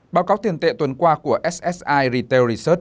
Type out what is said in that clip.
báo cáo tiền tệ tuần qua của ssi retail research